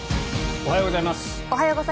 おはようございます。